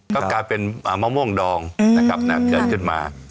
ก็กลายเป็นมะม่วงดองนะครับเกิดขึ้นมา